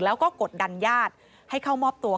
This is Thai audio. แล้วก็กดดันญาติให้เข้ามอบตัว